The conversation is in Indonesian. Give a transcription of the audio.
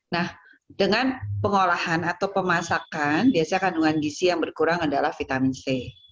nah dengan pengolahan atau pemasakan biasanya kandungan gizi yang berkurang adalah vitamin c